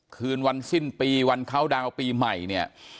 คืนวันสิ้นปีวันเข้าดาวน์ปีใหม่เนี่ย